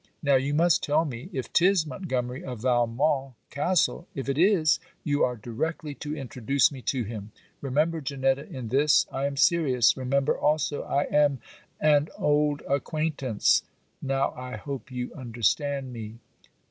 Now you must tell me, if 'tis Montgomery of Valmont castle. If it is, you are directly to introduce me to him. Remember, Janetta, in this I am serious; remember also I am an old acquaintance now I hope you understand me.